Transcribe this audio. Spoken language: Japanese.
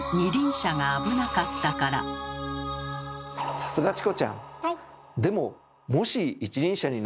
さすがチコちゃん！